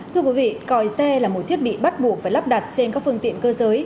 thưa quý vị còi xe là một thiết bị bắt buộc phải lắp đặt trên các phương tiện cơ giới